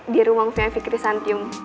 di ruang vikris santium